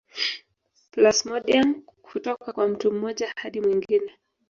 Plasmodiam kutoka kwa mtu mmoja hadi mwingine